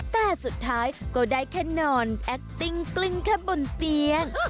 แต่สุดท้ายก็ได้แค่นอนแอคติ้งกลิ้งแค่บนเตียง